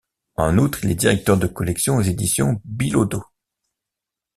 En outre, il est directeur de collection aux éditions Billaudot.